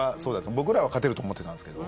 僕らは勝てると思ってましたけど。